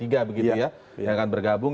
yang akan bergabung